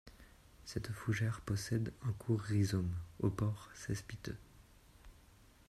Cette fougères possède un court rhizome, au port cespiteux.